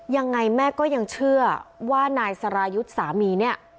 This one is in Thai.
ยังไงแม่ก็ยังเชื่อว่านายสรายุทธ์สามีเนี่ย